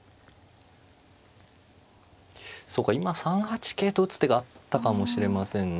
そうか今３八桂と打つ手があったかもしれませんね。